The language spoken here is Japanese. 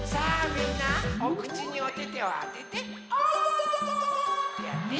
みんなおくちにおててをあてて「あわわわ」ってやって。